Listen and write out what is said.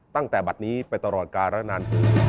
ตั้งแต่บัตรนี้ไปตลอดกาลนัน